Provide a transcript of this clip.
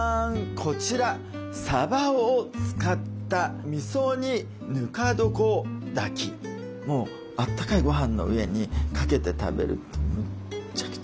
こちらさばを使ったもうあったかいごはんの上にかけて食べるとむちゃくちゃおいしいです。